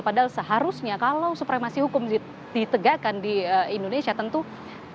padahal seharusnya kalau supremasi hukum ditegakkan di indonesia tentu tni adalah berada